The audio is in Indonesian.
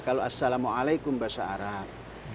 kalau assalamualaikum bahasa arab